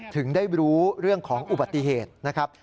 ถึงได้รู้เรื่องของอุบัติเหตุนะครับ